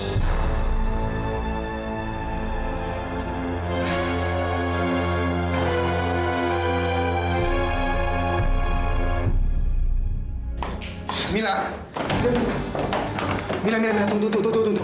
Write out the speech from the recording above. kamilah kamilah kamilah tunggu tunggu tunggu